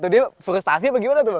gimana tuh dia frustasi apa gimana tuh